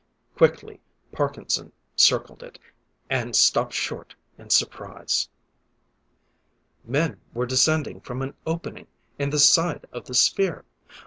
Quickly, Parkinson circled it and stopped short in surprise. Men were descending from an opening in the side of the sphere!